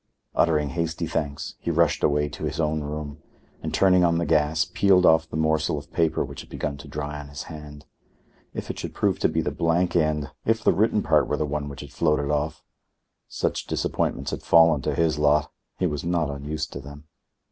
Uttering hasty thanks, he rushed away to his own room and, turning on the gas, peeled off the morsel of paper which had begun to dry on his hand. If it should prove to be the blank end! If the written part were the one which had floated off! Such disappointments had fallen to his lot! He was not unused to them.